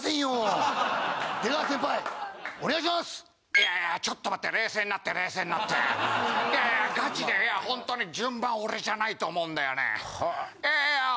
いやいやちょっと待って冷静になって冷静になっていやいやガチでホントに順番俺じゃないと思うんだよねええええああ